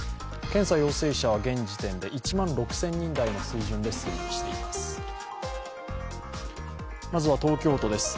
検査陽性者は現時点で１万６０００人台の水準で推移しています。